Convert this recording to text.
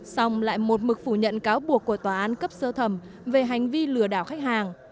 xong lại một mực phủ nhận cáo buộc của tòa án cấp sơ thẩm về hành vi lừa đảo khách hàng